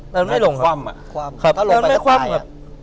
แล้วมันไม่ลงครับคว่ำอ่ะคว่ำครับถ้าลงไปจะตายอ่ะ